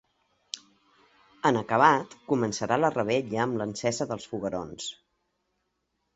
En acabat, començarà la revetlla, amb l’encesa dels foguerons.